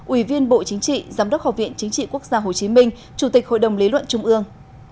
ủy viên bộ chính trị giám đốc học viện chính trị quốc gia hồ chí minh chủ tịch hội đồng lý luận trung ương